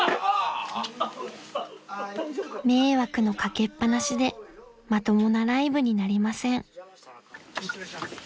・大丈夫か？［迷惑の掛けっぱなしでまともなライブになりません］